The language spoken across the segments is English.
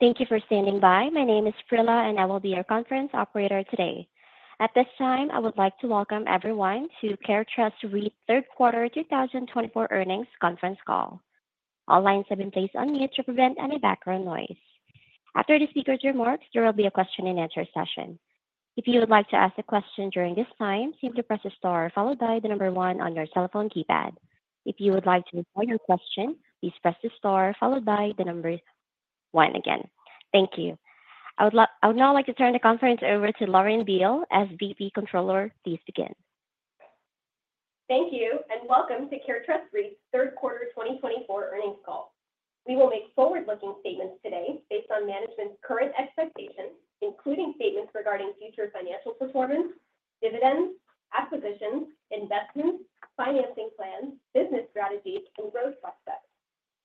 Thank you for standing by. My name is Prila, and I will be your conference operator today. At this time, I would like to welcome everyone to CareTrust REIT Third Quarter 2024 Earnings Conference Call. All lines have been placed on mute to prevent any background noise. After the speaker's remarks, there will be a question-and-answer session. If you would like to ask a question during this time, simply press the star followed by the number one on your telephone keypad. If you would like to report your question, please press the star followed by the number one again. Thank you. I would now like to turn the conference over to Lauren Beale, SVP Controller. Please begin. Thank you, and welcome to CareTrust REIT Third Quarter 2024 Earnings Call. We will make forward-looking statements today based on management's current expectations, including statements regarding future financial performance, dividends, acquisitions, investments, financing plans, business strategies, and growth prospects.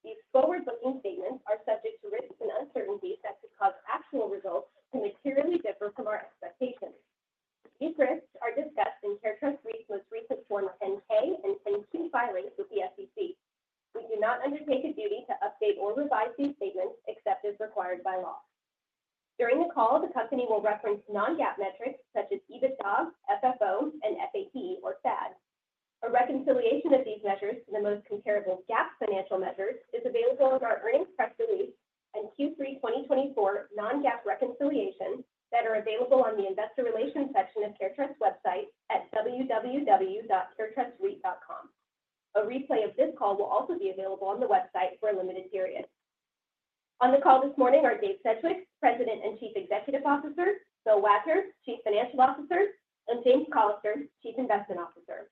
These forward-looking statements are subject to risks and uncertainties that could cause actual results to materially differ from our expectations. These risks are discussed in CareTrust REIT's most recent Form 10-K and 10-Q filings with the SEC. We do not undertake a duty to update or revise these statements except as required by law. During the call, the company will reference non-GAAP metrics such as EBITDA, FFO, and FAD. A reconciliation of these measures to the most comparable GAAP financial measures is available in our earnings press release and Q3 2024 non-GAAP reconciliation that are available on the investor relations section of CareTrust's website at www.caretrustreit.com. A replay of this call will also be available on the website for a limited period. On the call this morning are Dave Sedgwick, President and Chief Executive Officer, Bill Wagner, Chief Financial Officer, and James Callister, Chief Investment Officer.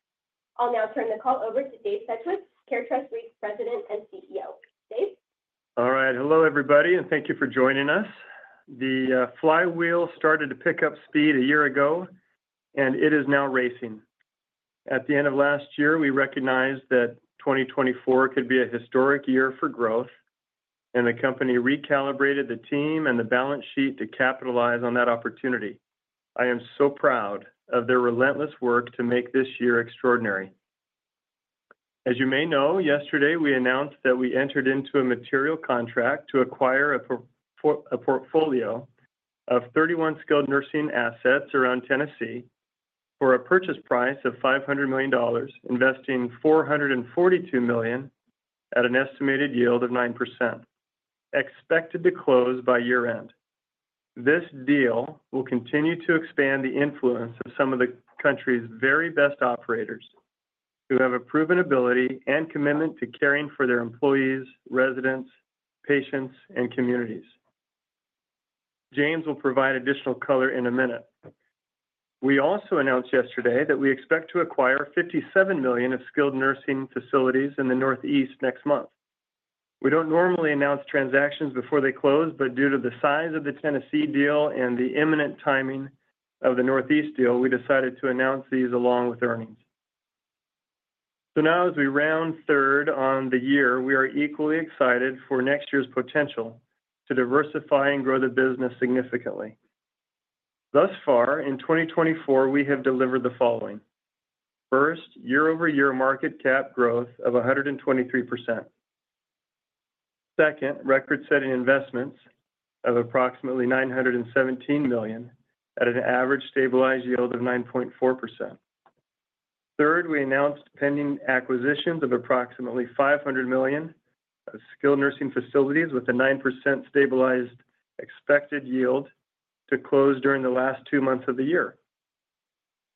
I'll now turn the call over to Dave Sedgwick, CareTrust REIT's President and CEO. Dave? All right. Hello, everybody, and thank you for joining us. The flywheel started to pick up speed a year ago, and it is now racing. At the end of last year, we recognized that 2024 could be a historic year for growth, and the company recalibrated the team and the balance sheet to capitalize on that opportunity. I am so proud of their relentless work to make this year extraordinary. As you may know, yesterday we announced that we entered into a material contract to acquire a portfolio of 31 skilled nursing assets around Tennessee for a purchase price of $500 million, investing $442 million at an estimated yield of 9%, expected to close by year-end. This deal will continue to expand the influence of some of the country's very best operators who have a proven ability and commitment to caring for their employees, residents, patients, and communities. James will provide additional color in a minute. We also announced yesterday that we expect to acquire $57 million of skilled nursing facilities in the Northeast next month. We don't normally announce transactions before they close, but due to the size of the Tennessee deal and the imminent timing of the Northeast deal, we decided to announce these along with earnings. So now, as we round third on the year, we are equally excited for next year's potential to diversify and grow the business significantly. Thus far, in 2024, we have delivered the following: first, year-over-year market cap growth of 123%; second, record-setting investments of approximately $917 million at an average stabilized yield of 9.4%; third, we announced pending acquisitions of approximately $500 million of skilled nursing facilities with a 9% stabilized expected yield to close during the last two months of the year.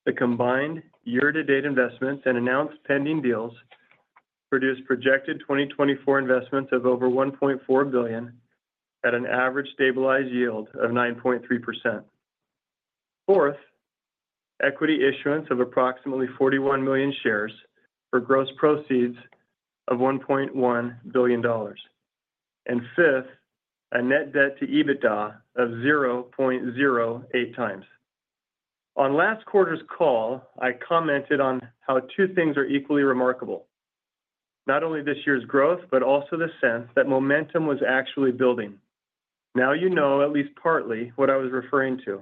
The combined year-to-date investments and announced pending deals produce projected 2024 investments of over $1.4 billion at an average stabilized yield of 9.3%, fourth, equity issuance of approximately 41 million shares for gross proceeds of $1.1 billion, and fifth, a net debt to EBITDA of 0.08 times. On last quarter's call, I commented on how two things are equally remarkable: not only this year's growth, but also the sense that momentum was actually building. Now you know, at least partly, what I was referring to.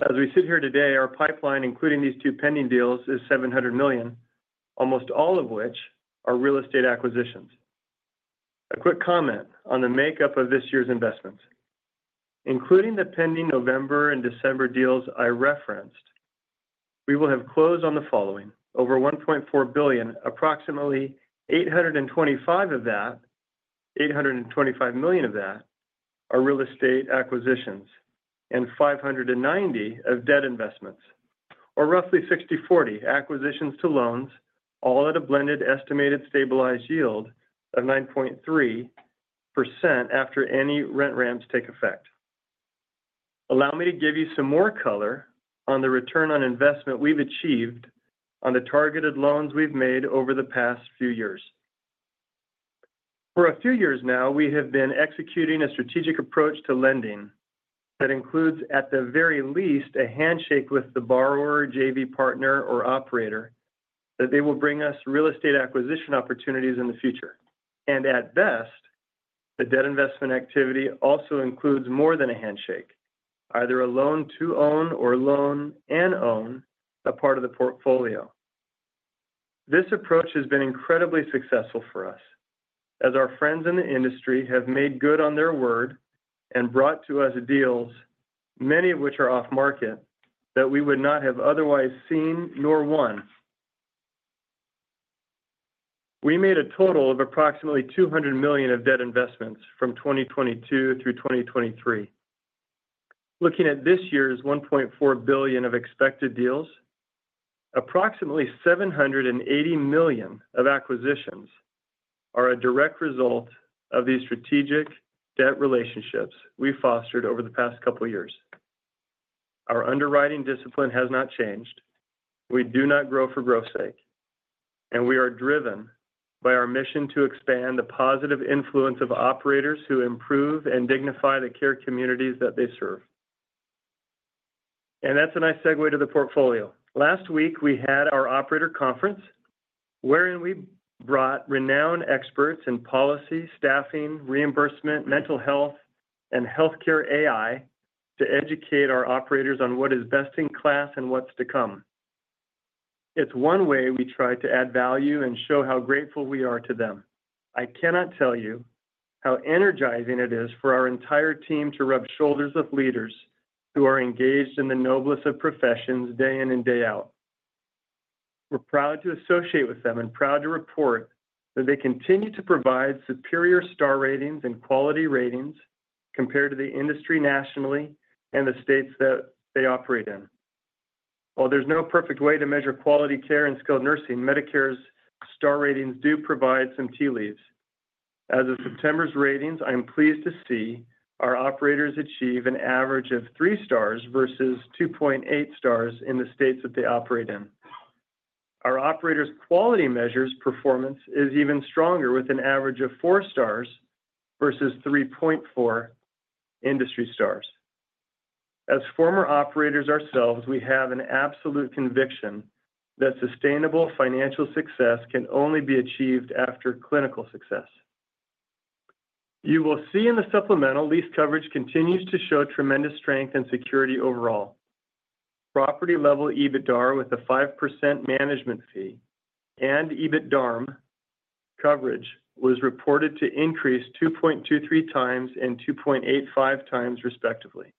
As we sit here today, our pipeline, including these two pending deals, is $700 million, almost all of which are real estate acquisitions. A quick comment on the makeup of this year's investments: including the pending November and December deals I referenced, we will have closed on the following: over $1.4 billion, approximately $825 million of that are real estate acquisitions, and $590 million of debt investments, or roughly 60/40 acquisitions to loans, all at a blended estimated stabilized yield of 9.3% after any rent ramps take effect. Allow me to give you some more color on the return on investment we've achieved on the targeted loans we've made over the past few years. For a few years now, we have been executing a strategic approach to lending that includes, at the very least, a handshake with the borrower, JV partner, or operator, that they will bring us real estate acquisition opportunities in the future. At best, the debt investment activity also includes more than a handshake, either a loan-to-own or loan-and-own a part of the portfolio. This approach has been incredibly successful for us, as our friends in the industry have made good on their word and brought to us deals, many of which are off-market, that we would not have otherwise seen nor won. We made a total of approximately $200 million of debt investments from 2022 through 2023. Looking at this year's $1.4 billion of expected deals, approximately $780 million of acquisitions are a direct result of these strategic debt relationships we've fostered over the past couple of years. Our underwriting discipline has not changed. We do not grow for growth's sake, and we are driven by our mission to expand the positive influence of operators who improve and dignify the care communities that they serve. And that's a nice segue to the portfolio. Last week, we had our operator conference, wherein we brought renowned experts in policy, staffing, reimbursement, mental health, and healthcare AI to educate our operators on what is best in class and what's to come. It's one way we try to add value and show how grateful we are to them. I cannot tell you how energizing it is for our entire team to rub shoulders with leaders who are engaged in the noblest of professions day in and day out. We're proud to associate with them and proud to report that they continue to provide superior star ratings and quality ratings compared to the industry nationally and the states that they operate in. While there's no perfect way to measure quality care in skilled nursing, Medicare's star ratings do provide some tea leaves. As of September's ratings, I'm pleased to see our operators achieve an average of three stars versus 2.8 stars in the states that they operate in. Our operators' quality measures performance is even stronger, with an average of four stars versus 3.4 industry stars. As former operators ourselves, we have an absolute conviction that sustainable financial success can only be achieved after clinical success. You will see in the supplemental lease coverage continues to show tremendous strength and security overall. Property-level EBITDA with a 5% management fee and EBITDA coverage was reported to increase 2.23 times and 2.85 times, respectively.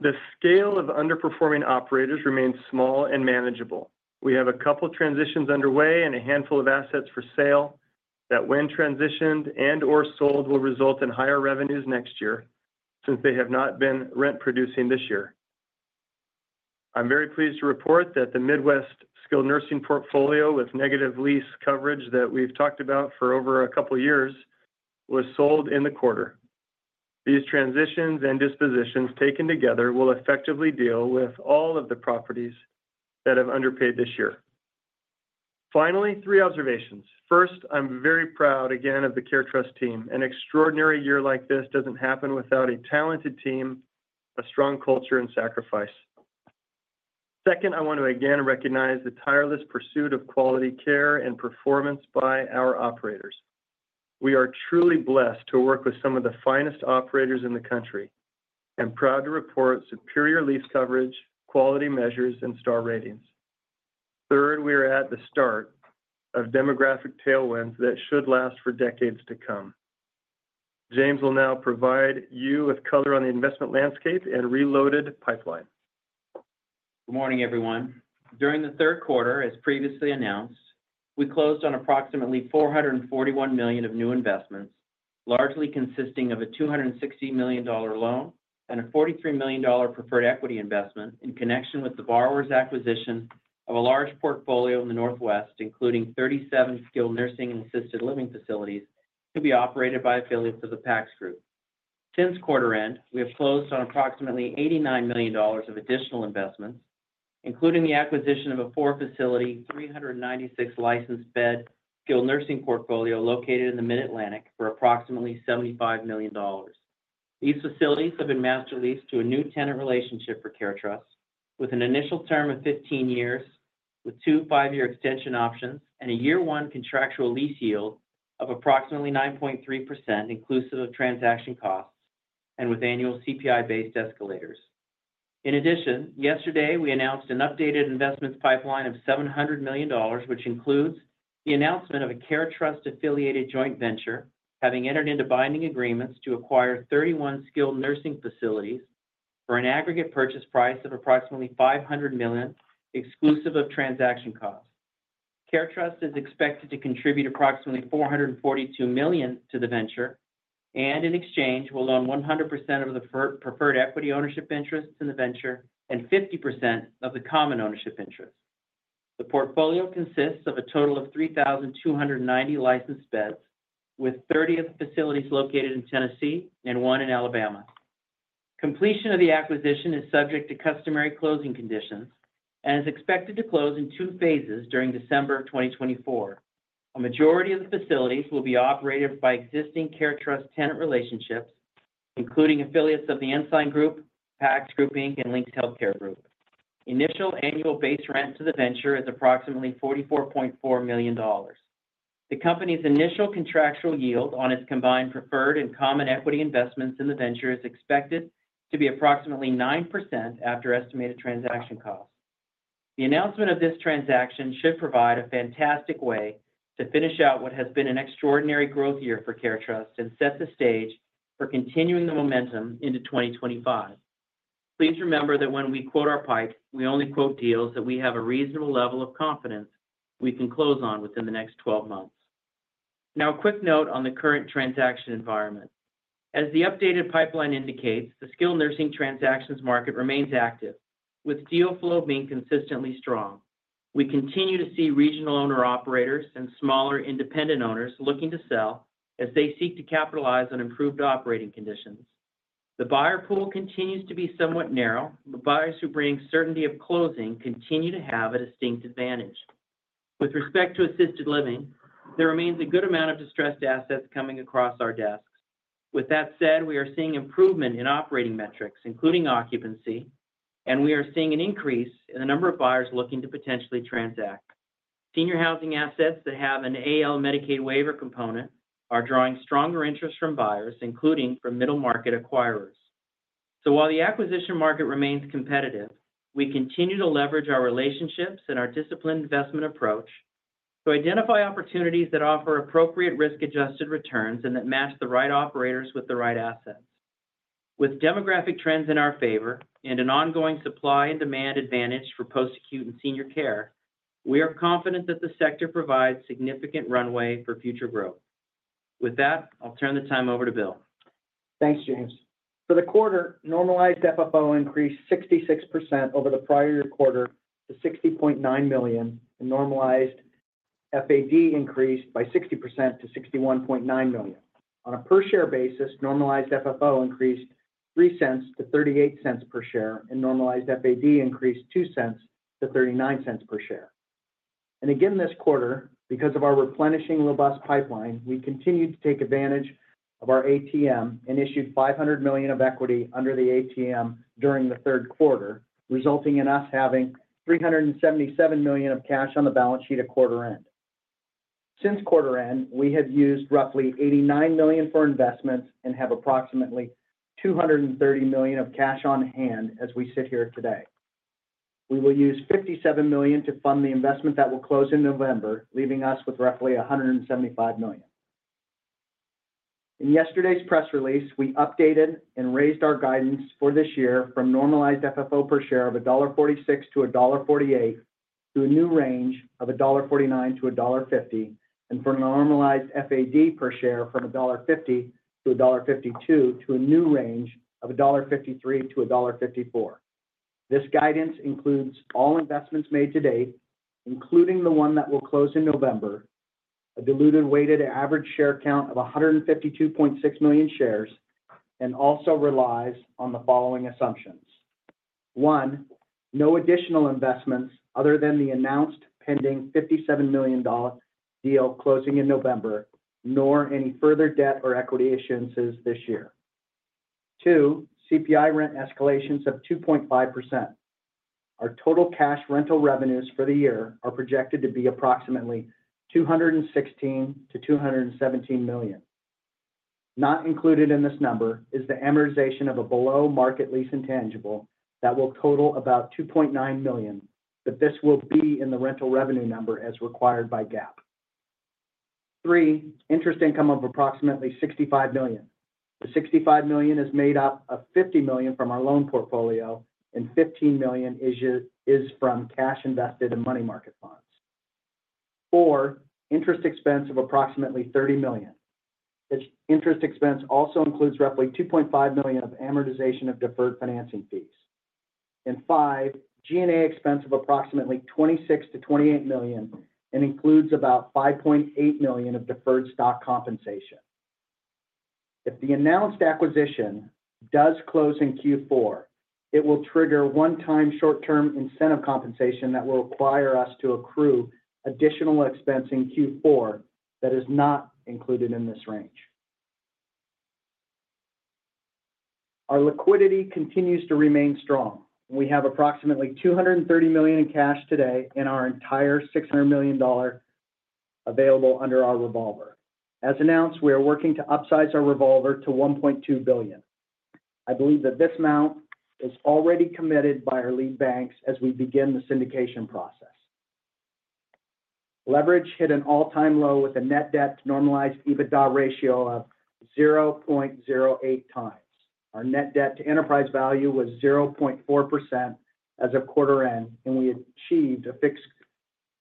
The scale of underperforming operators remains small and manageable. We have a couple of transitions underway and a handful of assets for sale that, when transitioned and/or sold, will result in higher revenues next year since they have not been rent-producing this year. I'm very pleased to report that the Midwest skilled nursing portfolio with negative lease coverage that we've talked about for over a couple of years was sold in the quarter. These transitions and dispositions taken together will effectively deal with all of the properties that have underpaid this year. Finally, three observations. First, I'm very proud, again, of the CareTrust team. An extraordinary year like this doesn't happen without a talented team, a strong culture, and sacrifice. Second, I want to again recognize the tireless pursuit of quality care and performance by our operators. We are truly blessed to work with some of the finest operators in the country and proud to report superior lease coverage, quality measures, and star ratings. Third, we are at the start of demographic tailwinds that should last for decades to come. James will now provide you with color on the investment landscape and reloaded pipeline. Good morning, everyone. During the third quarter, as previously announced, we closed on approximately $441 million of new investments, largely consisting of a $260 million loan and a $43 million preferred equity investment in connection with the borrower's acquisition of a large portfolio in the Northwest, including 37 skilled nursing and assisted living facilities to be operated by affiliates of the PACS Group. Since quarter end, we have closed on approximately $89 million of additional investments, including the acquisition of a four-facility, 396-licensed bed skilled nursing portfolio located in the Mid-Atlantic for approximately $75 million. These facilities have been master leased to a new tenant relationship for CareTrust, with an initial term of 15 years, with two five-year extension options, and a year-one contractual lease yield of approximately 9.3%, inclusive of transaction costs and with annual CPI-based escalators. In addition, yesterday, we announced an updated investments pipeline of $700 million, which includes the announcement of a CareTrust-affiliated joint venture having entered into binding agreements to acquire 31 skilled nursing facilities for an aggregate purchase price of approximately $500 million, exclusive of transaction costs. CareTrust is expected to contribute approximately $442 million to the venture and, in exchange, will own 100% of the preferred equity ownership interests in the venture and 50% of the common ownership interests. The portfolio consists of a total of 3,290 licensed beds, with 30 of the facilities located in Tennessee and one in Alabama. Completion of the acquisition is subject to customary closing conditions and is expected to close in two phases during December of 2024. A majority of the facilities will be operated by existing CareTrust tenant relationships, including affiliates of the Ensign Group, PACS Group, Inc., and Lynx Healthcare. Initial annual base rent to the venture is approximately $44.4 million. The company's initial contractual yield on its combined preferred and common equity investments in the venture is expected to be approximately 9% after estimated transaction costs. The announcement of this transaction should provide a fantastic way to finish out what has been an extraordinary growth year for CareTrust and set the stage for continuing the momentum into 2025. Please remember that when we quote our pipe, we only quote deals that we have a reasonable level of confidence we can close on within the next 12 months. Now, a quick note on the current transaction environment. As the updated pipeline indicates, the skilled nursing transactions market remains active, with deal flow being consistently strong. We continue to see regional owner-operators and smaller independent owners looking to sell as they seek to capitalize on improved operating conditions. The buyer pool continues to be somewhat narrow, but buyers who bring certainty of closing continue to have a distinct advantage. With respect to assisted living, there remains a good amount of distressed assets coming across our desks. With that said, we are seeing improvement in operating metrics, including occupancy, and we are seeing an increase in the number of buyers looking to potentially transact. Senior housing assets that have an AL Medicaid waiver component are drawing stronger interest from buyers, including from middle-market acquirers. So while the acquisition market remains competitive, we continue to leverage our relationships and our disciplined investment approach to identify opportunities that offer appropriate risk-adjusted returns and that match the right operators with the right assets. With demographic trends in our favor and an ongoing supply and demand advantage for post-acute and senior care, we are confident that the sector provides significant runway for future growth. With that, I'll turn the time over to Bill. Thanks, James. For the quarter, normalized FFO increased 66% over the prior quarter to $60.9 million, and normalized FAD increased by 60% to $61.9 million. On a per-share basis, normalized FFO increased $0.03 to $0.38 per share, and normalized FAD increased $0.02 to $0.39 per share. And again this quarter, because of our replenishing robust pipeline, we continued to take advantage of our ATM and issued $500 million of equity under the ATM during the third quarter, resulting in us having $377 million of cash on the balance sheet at quarter end. Since quarter end, we have used roughly $89 million for investments and have approximately $230 million of cash on hand as we sit here today. We will use $57 million to fund the investment that will close in November, leaving us with roughly $175 million. In yesterday's press release, we updated and raised our guidance for this year from normalized FFO per share of $1.46-$1.48 to a new range of $1.49-$1.50, and for normalized FAD per share from $1.50-$1.52 to a new range of $1.53-$1.54. This guidance includes all investments made to date, including the one that will close in November, a diluted weighted average share count of 152.6 million shares, and also relies on the following assumptions: one, no additional investments other than the announced pending $57 million deal closing in November, nor any further debt or equity issuances this year; two, CPI rent escalations of 2.5%. Our total cash rental revenues for the year are projected to be approximately $216 million-$217 million. Not included in this number is the amortization of a below-market lease intangible that will total about $2.9 million, but this will be in the rental revenue number as required by GAAP. Three, interest income of approximately $65 million. The $65 million is made up of $50 million from our loan portfolio, and $15 million is from cash invested in money market funds. Four, interest expense of approximately $30 million. Interest expense also includes roughly $2.5 million of amortization of deferred financing fees. And five, G&A expense of approximately $26 million-$28 million and includes about $5.8 million of deferred stock compensation. If the announced acquisition does close in Q4, it will trigger one-time short-term incentive compensation that will require us to accrue additional expense in Q4 that is not included in this range. Our liquidity continues to remain strong. We have approximately $230 million in cash today and our entire $600 million available under our revolver. As announced, we are working to upsize our revolver to $1.2 billion. I believe that this amount is already committed by our lead banks as we begin the syndication process. Leverage hit an all-time low with a net debt to normalized EBITDA ratio of 0.08 times. Our net debt to enterprise value was 0.4% as of quarter end, and we achieved a fixed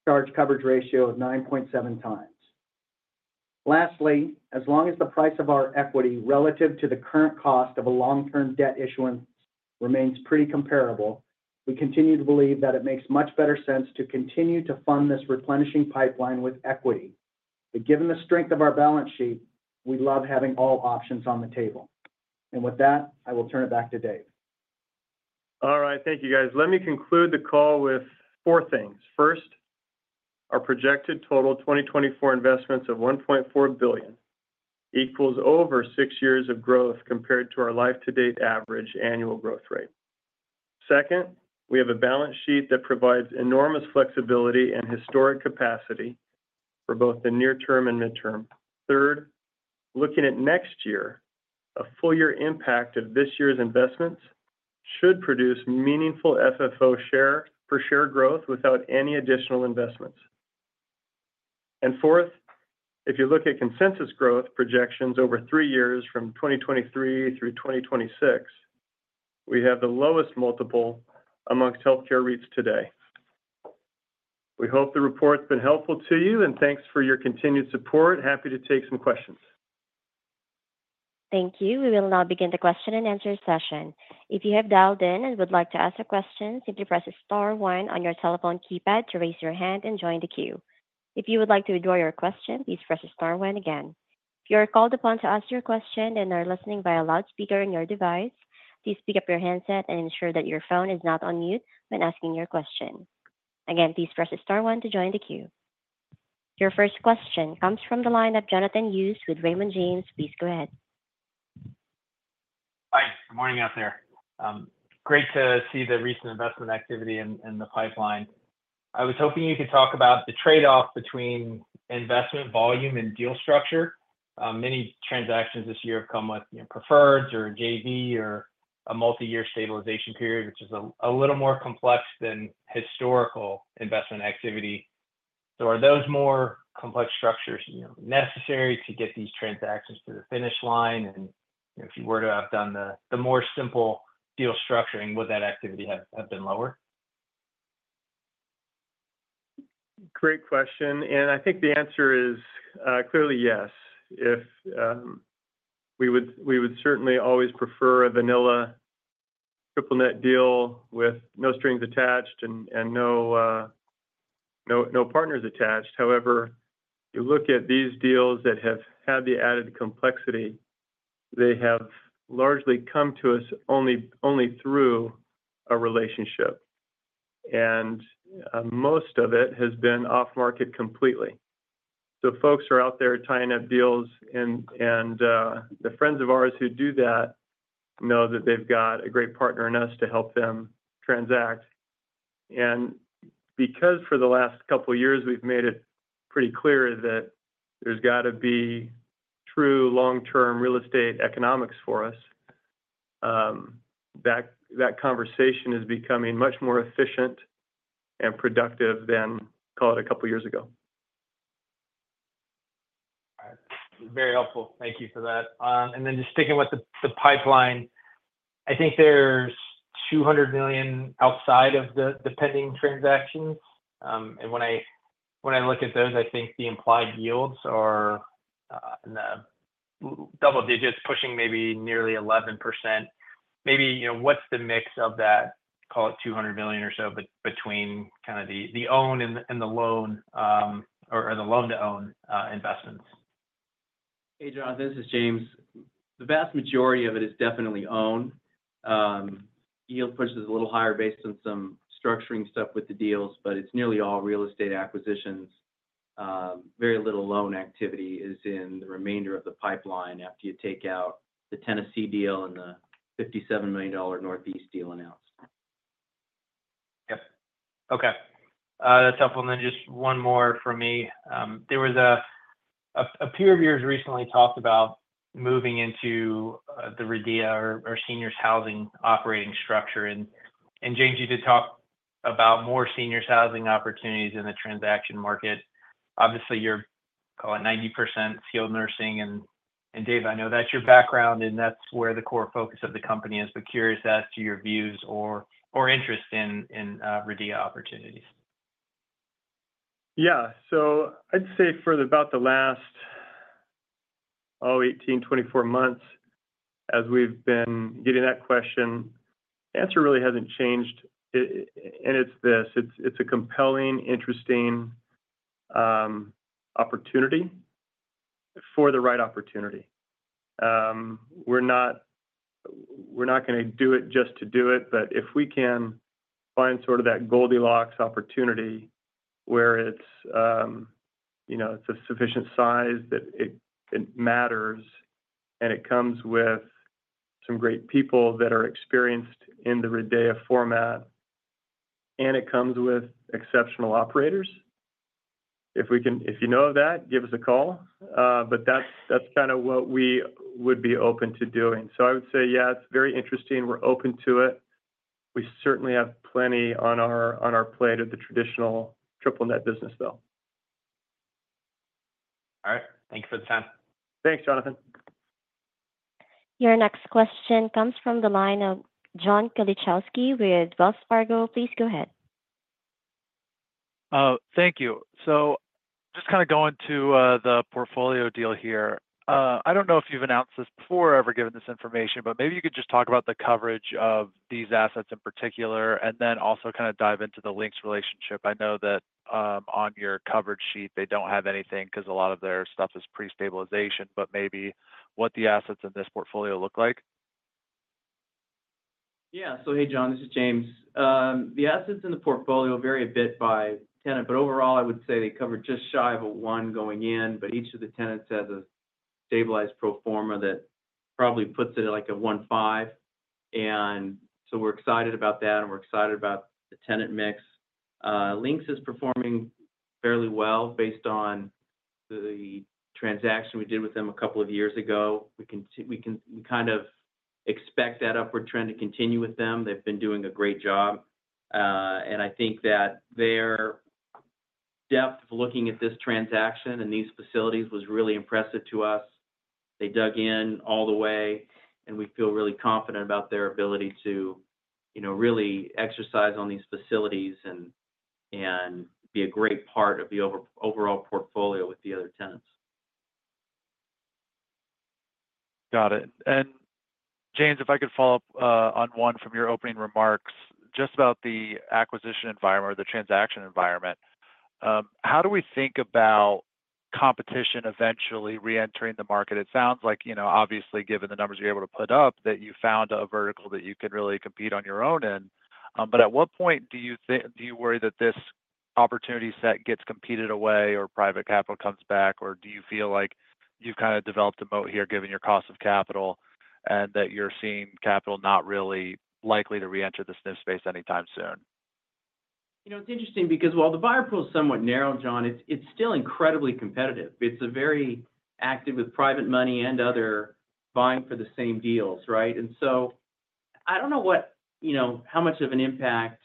charge coverage ratio of 9.7 times. Lastly, as long as the price of our equity relative to the current cost of a long-term debt issuance remains pretty comparable, we continue to believe that it makes much better sense to continue to fund this replenishing pipeline with equity. But given the strength of our balance sheet, we love having all options on the table. With that, I will turn it back to Dave. All right. Thank you, guys. Let me conclude the call with four things. First, our projected total 2024 investments of $1.4 billion equals over six years of growth compared to our life-to-date average annual growth rate. Second, we have a balance sheet that provides enormous flexibility and historic capacity for both the near-term and midterm. Third, looking at next year, a full-year impact of this year's investments should produce meaningful FFO share per share growth without any additional investments. And fourth, if you look at consensus growth projections over three years from 2023 through 2026, we have the lowest multiple amongst healthcare REITs today. We hope the report's been helpful to you, and thanks for your continued support. Happy to take some questions. Thank you. We will now begin the question and answer session. If you have dialed in and would like to ask a question, simply press the star one on your telephone keypad to raise your hand and join the queue. If you would like to withdraw your question, please press the star one again. If you are called upon to ask your question and are listening via loudspeaker on your device, please pick up your handset and ensure that your phone is not on mute when asking your question. Again, please press the star one to join the queue. Your first question comes from the line of Jonathan Hughes with Raymond James. Please go ahead. Hi. Good morning out there. Great to see the recent investment activity in the pipeline. I was hoping you could talk about the trade-off between investment volume and deal structure. Many transactions this year have come with preferreds or JV or a multi-year stabilization period, which is a little more complex than historical investment activity. So are those more complex structures necessary to get these transactions to the finish line? And if you were to have done the more simple deal structuring, would that activity have been lower? Great question. And I think the answer is clearly yes. We would certainly always prefer a vanilla triple net deal with no strings attached and no partners attached. However, you look at these deals that have had the added complexity, they have largely come to us only through a relationship. And most of it has been off-market completely. So folks are out there tying up deals, and the friends of ours who do that know that they've got a great partner in us to help them transact. And because for the last couple of years, we've made it pretty clear that there's got to be true long-term real estate economics for us, that conversation is becoming much more efficient and productive than, call it, a couple of years ago. All right. Very helpful. Thank you for that. And then just sticking with the pipeline, I think there's $200 million outside of the pending transactions. And when I look at those, I think the implied yields are in the double digits, pushing maybe nearly 11%. Maybe what's the mix of that, call it, $200 million or so between kind of the own and the loan or the loan-to-own investments? Hey, Jonathan. This is James. The vast majority of it is definitely owned. Yield pushes a little higher based on some structuring stuff with the deals, but it's nearly all real estate acquisitions. Very little loan activity is in the remainder of the pipeline after you take out the Tennessee deal and the $57 million Northeast deal announced. Yep. Okay. That's helpful. And then just one more for me. There was a peer of yours recently talked about moving into the REIT or seniors' housing operating structure. And James, you did talk about more seniors' housing opportunities in the transaction market. Obviously, you're, call it, 90% skilled nursing. And Dave, I know that's your background, and that's where the core focus of the company is. But curious as to your views or interest in REIT opportunities? Yeah. So I'd say for about the last, oh, 18, 24 months, as we've been getting that question, the answer really hasn't changed, and it's this. It's a compelling, interesting opportunity for the right opportunity. We're not going to do it just to do it, but if we can find sort of that Goldilocks opportunity where it's a sufficient size that it matters and it comes with some great people that are experienced in the REIT format and it comes with exceptional operators, if you know of that, give us a call. But that's kind of what we would be open to doing, so I would say, yeah, it's very interesting. We're open to it. We certainly have plenty on our plate of the traditional triple net business, though. All right. Thank you for the time. Thanks, Jonathan. Your next question comes from the line of John Kilichowski with Wells Fargo. Please go ahead. Thank you. So just kind of going to the portfolio deal here. I don't know if you've announced this before or ever given this information, but maybe you could just talk about the coverage of these assets in particular and then also kind of dive into the Lynx relationship. I know that on your coverage sheet, they don't have anything because a lot of their stuff is pre-stabilization, but maybe what the assets in this portfolio look like? Yeah. So hey, John, this is James. The assets in the portfolio vary a bit by tenant, but overall, I would say they cover just shy of a one going in, but each of the tenants has a stabilized pro forma that probably puts it at like a 1.5, and so we're excited about that, and we're excited about the tenant mix. Lynx is performing fairly well based on the transaction we did with them a couple of years ago. We kind of expect that upward trend to continue with them. They've been doing a great job. I think that their depth of looking at this transaction and these facilities was really impressive to us. They dug in all the way, and we feel really confident about their ability to really exercise on these facilities and be a great part of the overall portfolio with the other tenants. Got it. And James, if I could follow up on one from your opening remarks just about the acquisition environment or the transaction environment, how do we think about competition eventually re-entering the market? It sounds like, obviously, given the numbers you're able to put up, that you found a vertical that you can really compete on your own in. But at what point do you worry that this opportunity set gets competed away or private capital comes back? Or do you feel like you've kind of developed a moat here given your cost of capital and that you're seeing capital not really likely to re-enter this new space anytime soon? It's interesting because while the buyer pool is somewhat narrow, John, it's still incredibly competitive. It's very active with private money and others buying for the same deals, right? And so I don't know how much of an impact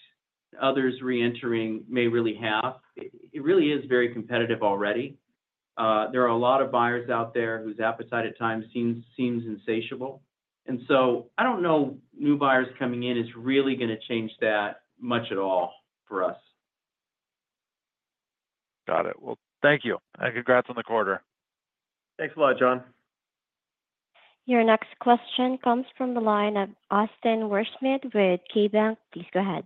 others re-entering may really have. It really is very competitive already. There are a lot of buyers out there whose appetite at times seems insatiable. And so I don't know if new buyers coming in is really going to change that much at all for us. Got it. Well, thank you and congrats on the quarter. Thanks a lot, John. Your next question comes from the line of Austin Wurschmidt with KeyBanc. Please go ahead.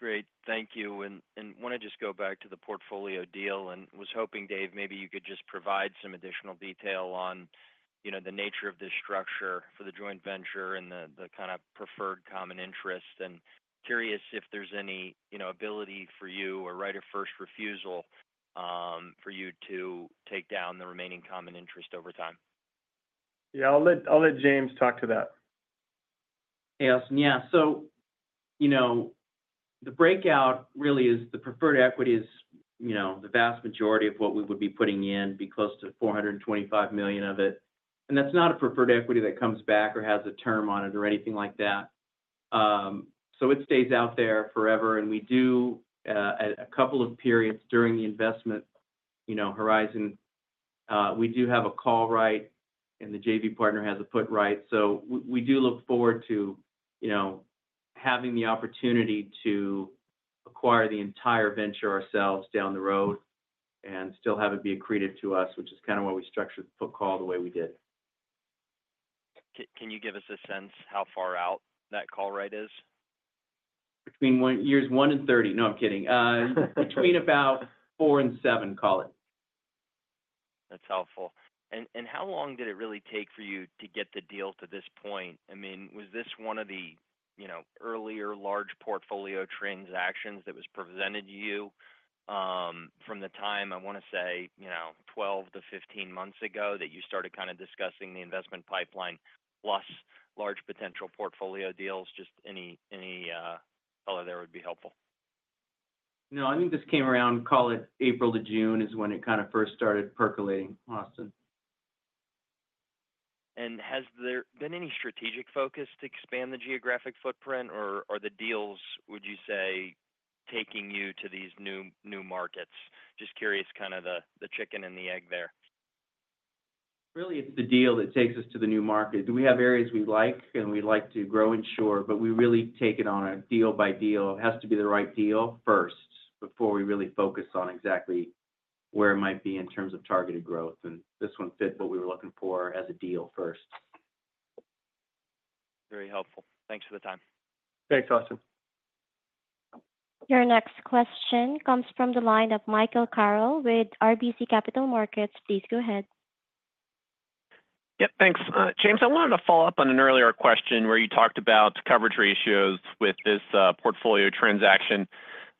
Great. Thank you. And I want to just go back to the portfolio deal and was hoping, Dave, maybe you could just provide some additional detail on the nature of this structure for the joint venture and the kind of preferred common interest. And curious if there's any ability for you or right of first refusal for you to take down the remaining common interest over time? Yeah. I'll let James talk to that. Hey, Austin. Yeah. So the breakout really is the preferred equity is the vast majority of what we would be putting in, being close to $425 million of it. And that's not a preferred equity that comes back or has a term on it or anything like that. So it stays out there forever. And we do, at a couple of periods during the investment horizon, we do have a call right, and the JV partner has a put right. So we do look forward to having the opportunity to acquire the entire venture ourselves down the road and still have it be accretive to us, which is kind of why we structured the put call the way we did. Can you give us a sense how far out that call right is? Between years 1 and 30. No, I'm kidding. Between about 4 and 7, call it. That's helpful. And how long did it really take for you to get the deal to this point? I mean, was this one of the earlier large portfolio transactions that was presented to you from the time, I want to say, 12-15 months ago that you started kind of discussing the investment pipeline plus large potential portfolio deals? Just any color there would be helpful. No, I think this came around, call it, April to June is when it kind of first started percolating, Austin. Has there been any strategic focus to expand the geographic footprint? Or are the deals, would you say, taking you to these new markets? Just curious kind of the chicken and the egg there. Really, it's the deal that takes us to the new market. We have areas we like, and we like to grow and shore, but we really take it on a deal by deal. It has to be the right deal first before we really focus on exactly where it might be in terms of targeted growth, and this one fit what we were looking for as a deal first. Very helpful. Thanks for the time. Thanks, Austin. Your next question comes from the line of Michael Carroll with RBC Capital Markets. Please go ahead. Yep. Thanks. James, I wanted to follow up on an earlier question where you talked about coverage ratios with this portfolio transaction.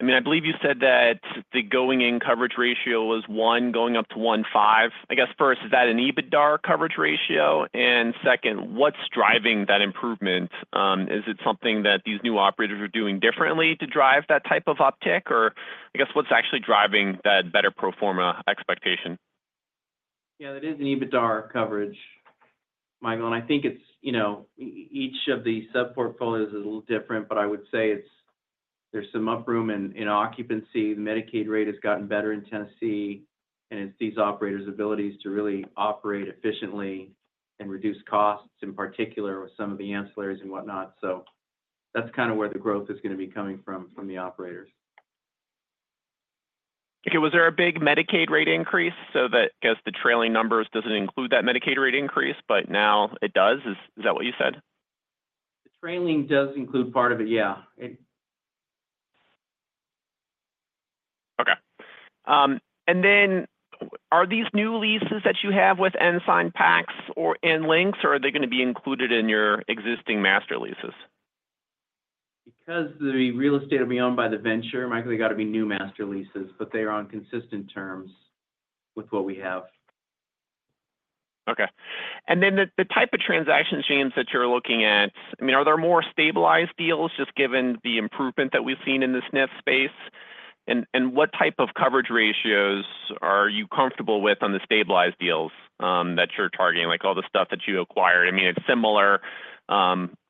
I mean, I believe you said that the going-in coverage ratio was one going up to 1.5. I guess first, is that an EBITDA coverage ratio? And second, what's driving that improvement? Is it something that these new operators are doing differently to drive that type of uptick? Or I guess what's actually driving that better pro forma expectation? Yeah, that is an EBITDA coverage, Michael, and I think each of the sub-portfolios is a little different, but I would say there's some uproom in occupancy. The Medicaid rate has gotten better in Tennessee, and it's these operators' abilities to really operate efficiently and reduce costs, in particular, with some of the ancillaries and whatnot, so that's kind of where the growth is going to be coming from, from the operators. Okay. Was there a big Medicaid rate increase? So that goes to trailing numbers doesn't include that Medicaid rate increase, but now it does. Is that what you said? The trailing does include part of it, yeah. Okay. And then are these new leases that you have with Ensign, PACS, or Lynx, or are they going to be included in your existing master leases? Because the real estate will be owned by the venture, Michael, they got to be new master leases, but they are on consistent terms with what we have. Okay. And then the type of transactions, James, that you're looking at, I mean, are there more stabilized deals just given the improvement that we've seen in the SNF space? And what type of coverage ratios are you comfortable with on the stabilized deals that you're targeting, like all the stuff that you acquired? I mean, it's similar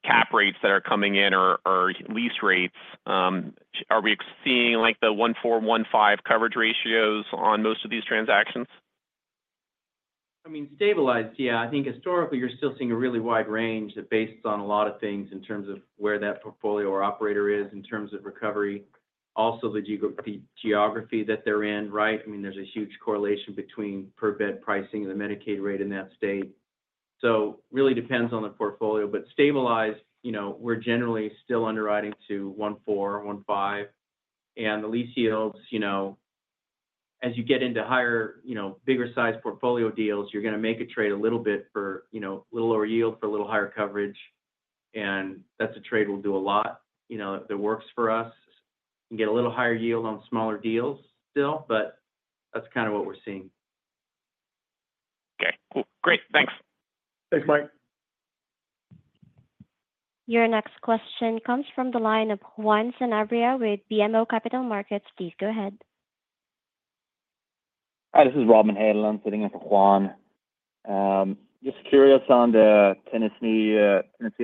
cap rates that are coming in or lease rates. Are we seeing the 1.4, 1.5 coverage ratios on most of these transactions? I mean, stabilized, yeah. I think historically, you're still seeing a really wide range based on a lot of things in terms of where that portfolio or operator is in terms of recovery. Also, the geography that they're in, right? I mean, there's a huge correlation between per-bed pricing and the Medicaid rate in that state. So really depends on the portfolio. But stabilized, we're generally still underwriting to 1.4, 1.5. And the lease yields, as you get into higher, bigger-sized portfolio deals, you're going to make a trade a little bit for a little lower yield for a little higher coverage. And that's a trade we'll do a lot that works for us. You can get a little higher yield on smaller deals still, but that's kind of what we're seeing. Okay. Cool. Great. Thanks. Thanks, Mike. Your next question comes from the line of Juan Sanabria with BMO Capital Markets. Please go ahead. Hi, this is Robin Hanlon sitting with Juan. Just curious on the Tennessee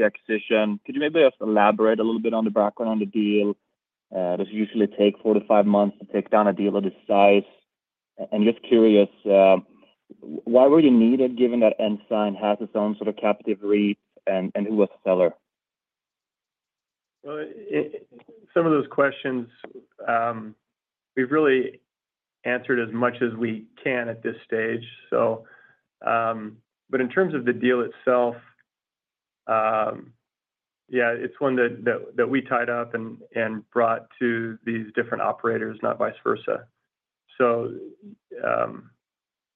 acquisition. Could you maybe just elaborate a little bit on the background on the deal? It does usually take four to five months to take down a deal of this size. And just curious, why were you needed given that Ensign has its own sort of captive REIT and who was the seller? Some of those questions we've really answered as much as we can at this stage. In terms of the deal itself, yeah, it's one that we tied up and brought to these different operators, not vice versa.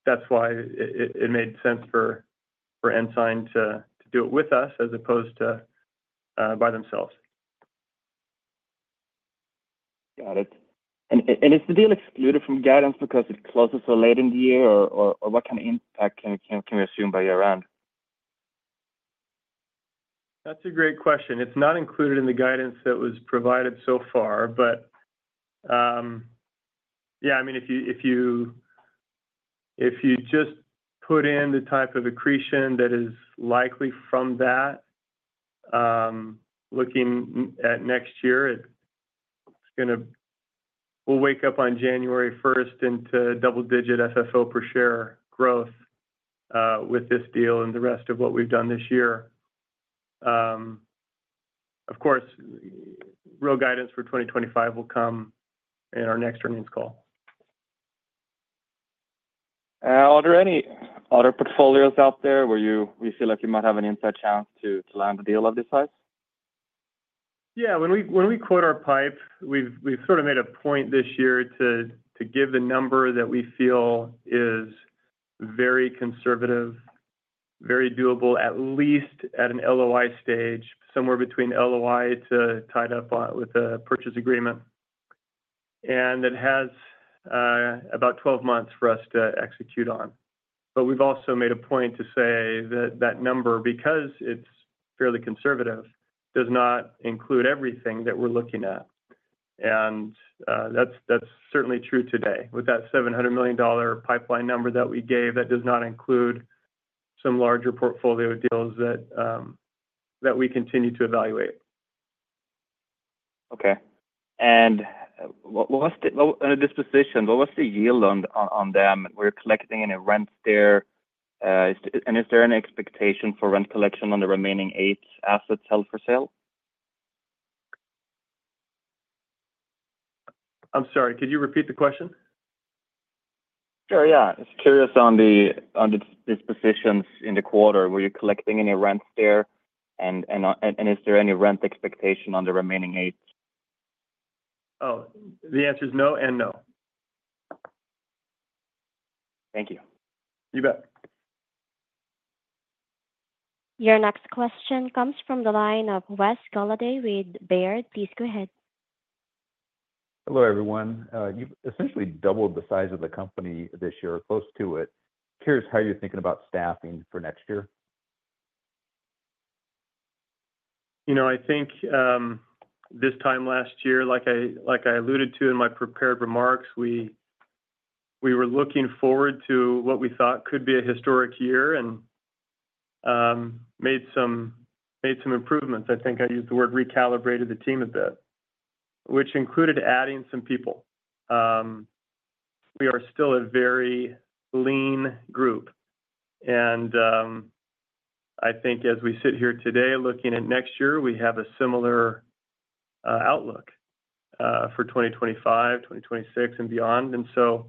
That's why it made sense for Ensign to do it with us as opposed to by themselves. Got it. And is the deal excluded from guidance because it closes so late in the year? Or what kind of impact can we assume by year-end? That's a great question. It's not included in the guidance that was provided so far. But yeah, I mean, if you just put in the type of accretion that is likely from that, looking at next year, we'll wake up on January 1st into double-digit FFO per share growth with this deal and the rest of what we've done this year. Of course, real guidance for 2025 will come in our next earnings call. Are there any other portfolios out there where you feel like you might have an inside chance to land a deal of this size? Yeah. When we quote our pipe, we've sort of made a point this year to give the number that we feel is very conservative, very doable, at least at an LOI stage, somewhere between LOI to tied up with a purchase agreement. And it has about 12 months for us to execute on. But we've also made a point to say that that number, because it's fairly conservative, does not include everything that we're looking at. And that's certainly true today. With that $700 million pipeline number that we gave, that does not include some larger portfolio deals that we continue to evaluate. Okay. And on a disposition, what was the yield on them? We're collecting any rents there? And is there an expectation for rent collection on the remaining eight assets held for sale? I'm sorry. Could you repeat the question? Sure. Yeah. Just curious on the dispositions in the quarter. Were you collecting any rents there, and is there any rent expectation on the remaining eight? Oh, the answer is no and no. Thank you. You bet. Your next question comes from the line of Wes Golladay with Baird. Please go ahead. Hello, everyone. You've essentially doubled the size of the company this year, close to it. Curious how you're thinking about staffing for next year? I think this time last year, like I alluded to in my prepared remarks, we were looking forward to what we thought could be a historic year and made some improvements. I think I used the word recalibrated the team a bit, which included adding some people. We are still a very lean group. And I think as we sit here today looking at next year, we have a similar outlook for 2025, 2026, and beyond. And so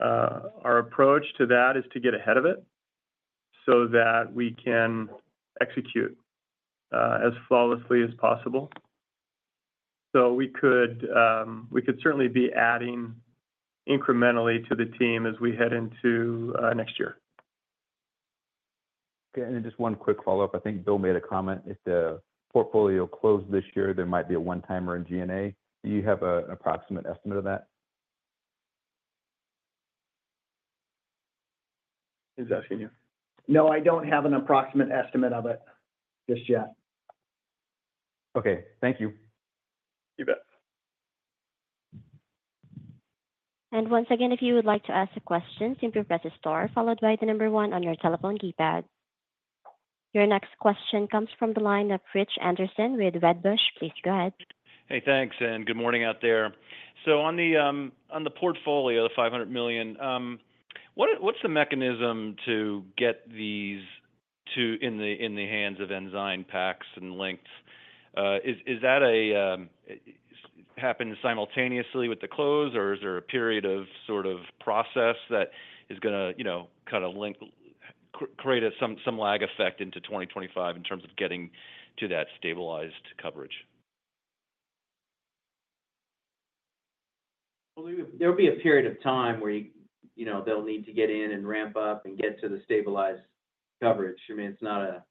our approach to that is to get ahead of it so that we can execute as flawlessly as possible. So we could certainly be adding incrementally to the team as we head into next year. Okay. And just one quick follow-up. I think Bill made a comment. If the portfolio closed this year, there might be a one-timer in G&A. Do you have an approximate estimate of that? He's asking you. No, I don't have an approximate estimate of it just yet. Okay. Thank you. You bet. And once again, if you would like to ask a question, simply press the star followed by the number one on your telephone keypad. Your next question comes from the line of Rich Anderson with Wedbush. Please go ahead. Hey, thanks. Good morning out there. On the portfolio, the $500 million, what's the mechanism to get these in the hands of Ensign, PACS, and Lynx? Does that happen simultaneously with the close, or is there a period of sort of process that is going to kind of create some lag effect into 2025 in terms of getting to that stabilized coverage? There will be a period of time where they'll need to get in and ramp up and get to the stabilized coverage. I mean, it's not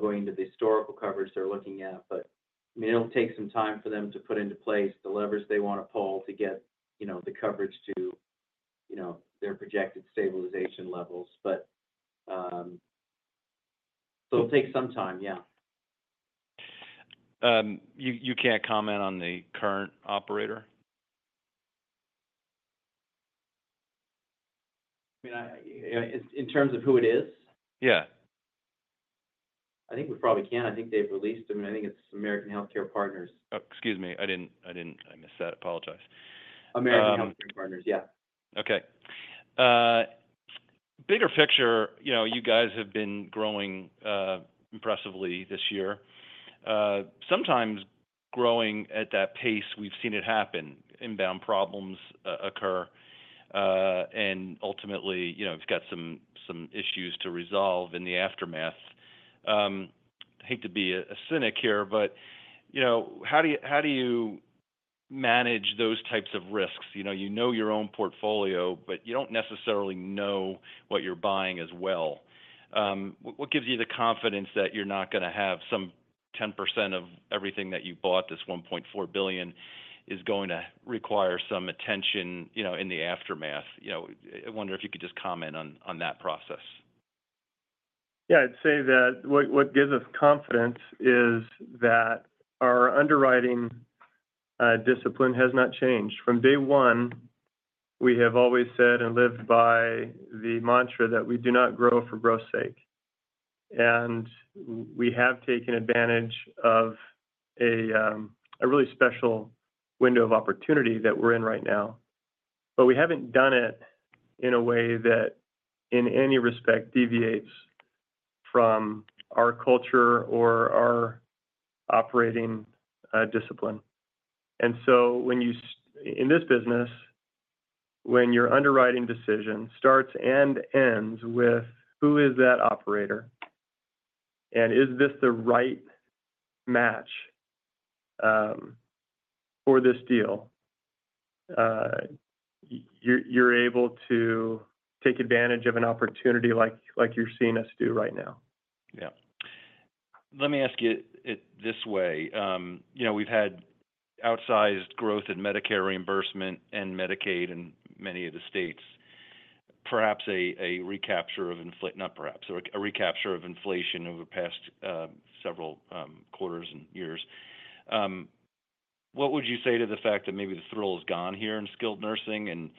going into the historical coverage they're looking at. But I mean, it'll take some time for them to put into place the levers they want to pull to get the coverage to their projected stabilization levels. So it'll take some time, yeah. You can't comment on the current operator? I mean, in terms of who it is? Yeah. I think we probably can. I think they've released. I mean, I think it's American Health Partners. Excuse me. I missed that. Apologize. American Health Partners, yeah. Okay. Bigger picture, you guys have been growing impressively this year. Sometimes growing at that pace, we've seen it happen. Inbound problems occur. And ultimately, we've got some issues to resolve in the aftermath. I hate to be a cynic here, but how do you manage those types of risks? You know your own portfolio, but you don't necessarily know what you're buying as well. What gives you the confidence that you're not going to have some 10% of everything that you bought, this $1.4 billion, is going to require some attention in the aftermath? I wonder if you could just comment on that process? Yeah. I'd say that what gives us confidence is that our underwriting discipline has not changed. From day one, we have always said and lived by the mantra that we do not grow for growth's sake. And we have taken advantage of a really special window of opportunity that we're in right now. But we haven't done it in a way that in any respect deviates from our culture or our operating discipline. And so in this business, when your underwriting decision starts and ends with who is that operator, and is this the right match for this deal, you're able to take advantage of an opportunity like you're seeing us do right now. Yeah. Let me ask you this way. We've had outsized growth in Medicare reimbursement and Medicaid in many of the states. Perhaps a recapture of inflation over the past several quarters and years. What would you say to the fact that maybe the thrill is gone here in skilled nursing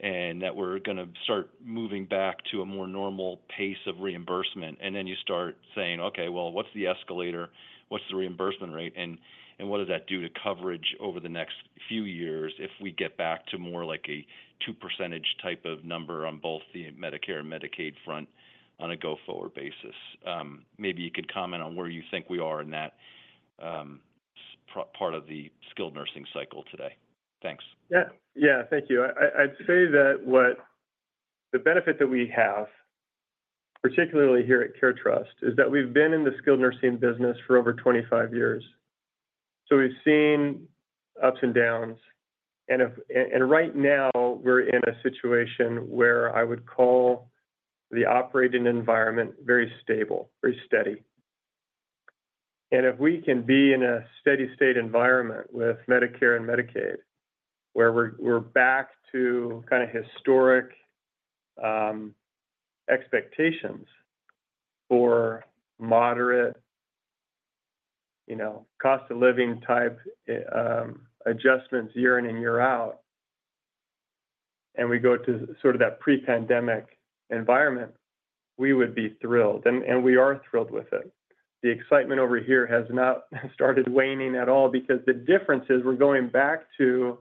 and that we're going to start moving back to a more normal pace of reimbursement? And then you start saying, "Okay, well, what's the escalator? What's the reimbursement rate? And what does that do to coverage over the next few years if we get back to more like a 2%-ish type of number on both the Medicare and Medicaid front on a go-forward basis?" Maybe you could comment on where you think we are in that part of the skilled nursing cycle today. Thanks. Yeah. Yeah. Thank you. I'd say that the benefit that we have, particularly here at CareTrust, is that we've been in the skilled nursing business for over 25 years. So we've seen ups and downs. And right now, we're in a situation where I would call the operating environment very stable, very steady. And if we can be in a steady-state environment with Medicare and Medicaid where we're back to kind of historic expectations for moderate cost-of-living type adjustments year in and year out, and we go to sort of that pre-pandemic environment, we would be thrilled. And we are thrilled with it. The excitement over here has not started waning at all because the difference is we're going back to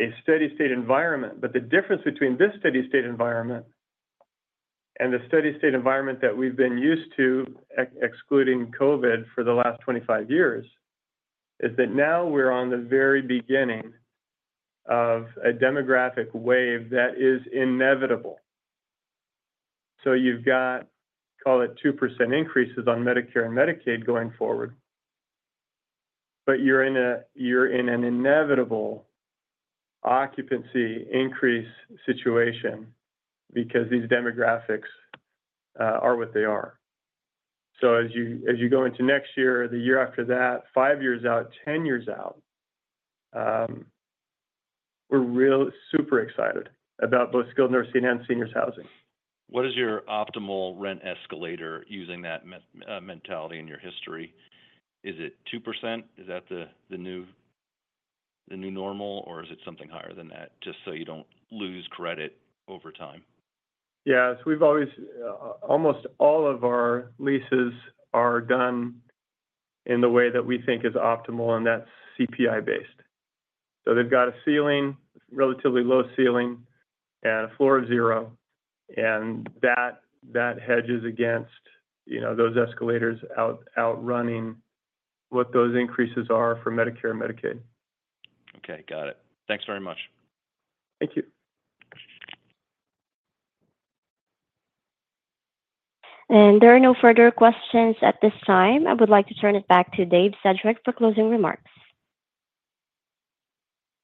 a steady-state environment. But the difference between this steady-state environment and the steady-state environment that we've been used to, excluding COVID for the last 25 years, is that now we're on the very beginning of a demographic wave that is inevitable. So you've got, call it 2% increases on Medicare and Medicaid going forward, but you're in an inevitable occupancy increase situation because these demographics are what they are. So as you go into next year, the year after that, 5 years out, 10 years out, we're super excited about both skilled nursing and seniors' housing. What is your optimal rent escalator using that mentality in your history? Is it 2%? Is that the new normal, or is it something higher than that just so you don't lose credit over time? Yeah. So almost all of our leases are done in the way that we think is optimal, and that's CPI-based. So they've got a ceiling, relatively low ceiling, and a floor of zero. And that hedges against those escalators outrunning what those increases are for Medicare and Medicaid. Okay. Got it. Thanks very much. Thank you. There are no further questions at this time. I would like to turn it back to Dave Sedgwick for closing remarks.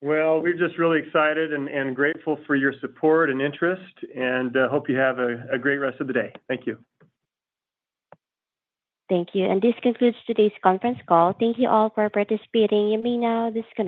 Well, we're just really excited and grateful for your support and interest, and hope you have a great rest of the day. Thank you. Thank you. And this concludes today's conference call. Thank you all for participating. You may now disconnect.